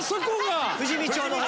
富士見町の方。